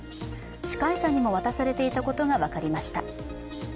司会者にも渡されていたことが分かりました。